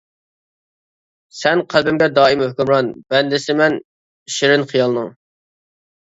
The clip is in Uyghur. سەن قەلبىمگە دائىم ھۆكۈمران، بەندىسىمەن شېرىن خىيالنىڭ.